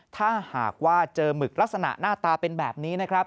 ถ้าหากว่าเจอหมึกลักษณะหน้าตาเป็นแบบนี้นะครับ